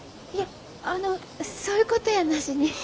いやあのそういうことやなしに。